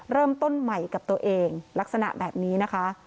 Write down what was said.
เริ่มต้นใหม่กับตัวเองลักษณะแบบนี้นะคะ